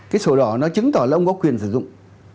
cái sổ đỏ nó chứng tỏ là ông có quyền sử dụng